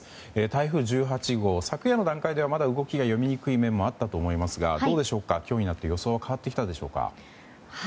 台風１８号、昨夜の段階ではまだ動きが読みにくい点があったと思いますがどうでしょう、今日になって予想は変わってきたでしょうか？